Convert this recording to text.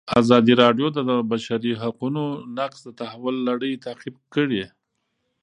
ازادي راډیو د د بشري حقونو نقض د تحول لړۍ تعقیب کړې.